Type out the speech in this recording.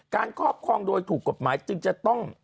ครอบครองโดยถูกกฎหมายจึงจะต้อง